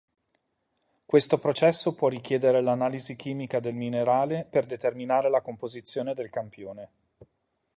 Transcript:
Questo processo può richiedere l'analisi chimica del minerale per determinare la composizione del campione.